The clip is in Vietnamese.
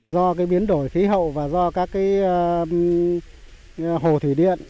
do biến đổi khí hậu và do các hồ thủy điện